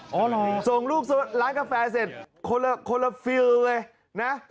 เหรอส่งลูกร้านกาแฟเสร็จคนละฟิลเลยนะ